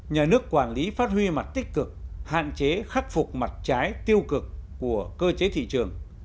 nhà nước quản lý phát huy mặt tích cực hạn chế khắc phục mặt trái tiêu cực của cơ chế thị trường